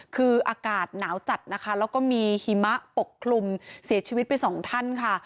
คืออากาศหนาวจัดนะคะแล้วก็มีหิมะปกคลุมเสียชีวิตไปสองท่านค่ะ